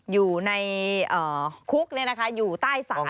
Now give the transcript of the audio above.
อยู่ในคุกนี่นะคะอยู่ใต้สาร